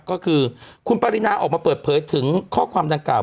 ก็คือคุณปรินาออกมาเปิดเผยถึงข้อความดังกล่า